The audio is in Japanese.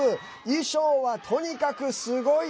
衣装は、とにかくすごい！